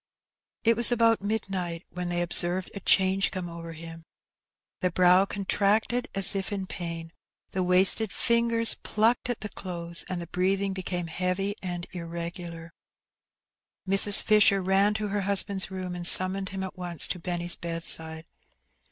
It was about midnight when they observed a change come over him. The brow contracted as if in pain, the wasted fingers plucked at the clothes, and the breathing became heavy and irregular. Mrs. Fisher ran to her husband's room, and summoned him at once to Benny's bedside.